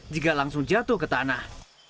jika langsung jatuh ke tanah